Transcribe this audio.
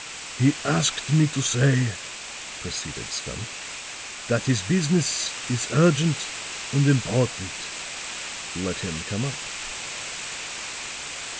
"He asked me to say," proceeded Stumph, "that his business is urgent and important." "Let him come up."